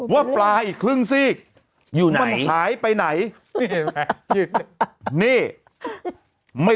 ว่าปลาอีกครึ่งซีกอยู่ไหนมันหายไปไหนนี่ไม่